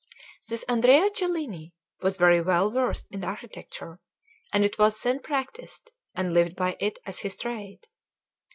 This Andrea Cellini was very well versed in architecture, as it was then practised, and lived by it as his trade.